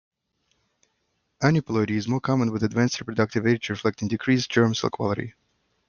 Aneuploidy is more common with advanced reproductive age reflecting decreased germ cell quality.